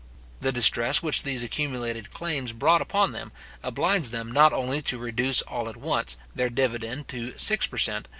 The distress which these accumulated claims brought upon them, obliged them not only to reduce all at once their dividend to six per cent.